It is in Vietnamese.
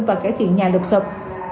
và cải thiện nhà lục sụp